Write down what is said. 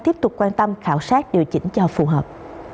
tiếp tục quan tâm khảo sát điều chỉnh cho phù hợp